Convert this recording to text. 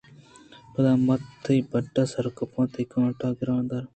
پدا من تئی بَڈّ ءَسِرکپان ءَ تئی کانٹاںٛ گِران ءُ درکائاں